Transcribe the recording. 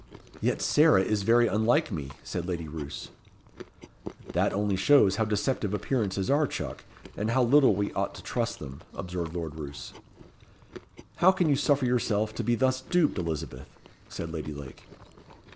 "Yet Sarah is very unlike me," said Lady Roos. "That only shows how deceptive appearances are, chuck, and how little we ought to trust to them," observed Lord Roos. "How can you suffer yourself to be thus duped, Elizabeth?" said Lady Lake.